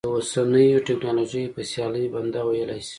د اوسنیو ټکنالوژیو په سیالۍ بنده ویلی شي.